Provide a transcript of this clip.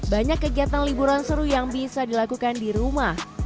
banyak kegiatan liburan seru yang bisa dilakukan di rumah